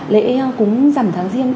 lễ cúng dằn tháng riêng